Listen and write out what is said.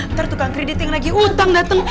ntar tukang kredit yang lagi utang dateng